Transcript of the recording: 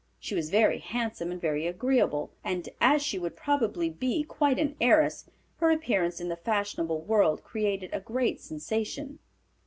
She was very handsome and very agreeable, and as she would probably be quite an heiress, her appearance in the fashionable world created a great sensation.